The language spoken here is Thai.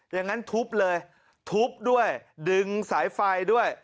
งั้นทุบเลยทุบด้วยดึงสายไฟด้วย